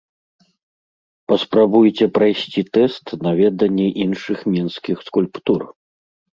Паспрабуйце прайсці тэст на веданне іншых мінскіх скульптур!